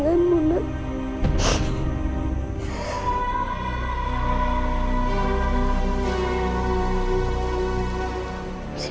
siapa yang akan berpisah kanji ibu